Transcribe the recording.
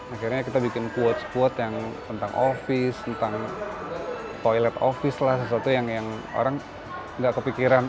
akhirnya kita bikin quote squote yang tentang office tentang toilet office lah sesuatu yang orang nggak kepikiran